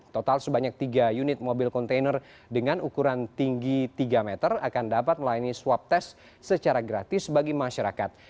total sebanyak tiga unit mobil kontainer dengan ukuran tinggi tiga meter akan dapat melayani swab test secara gratis bagi masyarakat